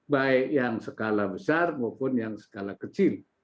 baik yang skala besar maupun yang skala kecil